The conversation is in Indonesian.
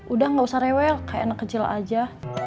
udah gak usah rewel kayak anak kecil aja